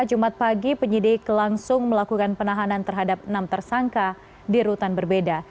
jumat pagi penyidik langsung melakukan penahanan terhadap enam tersangka di rutan berbeda